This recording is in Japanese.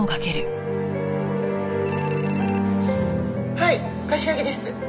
はい柏木です。